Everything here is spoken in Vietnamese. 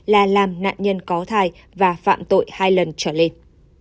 là làm nạn nhân có thai và phạm tội hai lần trở lên